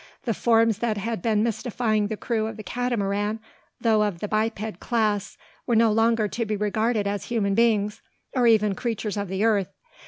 The forms that had been mystifying the crew of the Catamaran, though of the biped class, were no longer to be regarded as human beings, or even creatures of the earth.